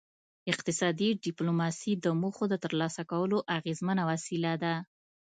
اقتصادي ډیپلوماسي د موخو د ترلاسه کولو اغیزمنه وسیله ده